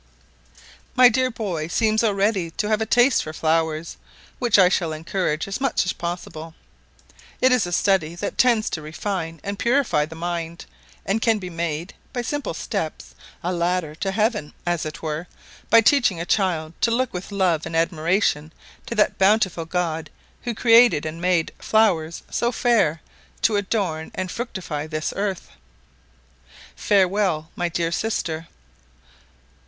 My dear boy seems already to have a taste for flowers, which I shall encourage as much as possible. It is a study that tends to refine and purify the mind, and can be made, by simple steps, a ladder to heaven, as it were, by teaching a child to look with love and admiration to that bountiful God who created and made flowers so fair to adorn and fructify this earth. Farewell, my dear sister.